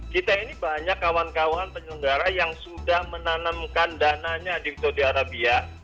kita ini banyak kawan kawan penyelenggara yang sudah menanamkan dananya di saudi arabia